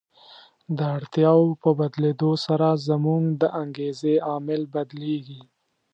د اړتیاوو په بدلېدو سره زموږ د انګېزې عامل بدلیږي.